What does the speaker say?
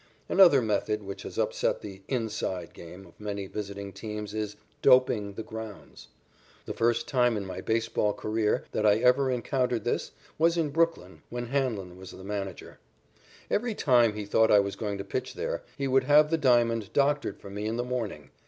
Another method which has upset the "inside" game of many visiting teams is "doping" the grounds. The first time in my baseball career that I ever encountered this was in Brooklyn when Hanlon was the manager. Every time he thought I was going to pitch there, he would have the diamond doctored for me in the morning.